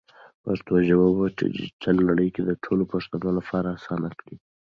پښتو ژبه په ډیجیټل نړۍ کې د ټولو پښتنو لپاره اسانه کړئ.